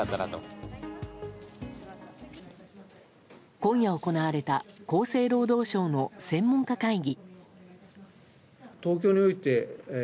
今夜行われた厚生労働省の専門家会議。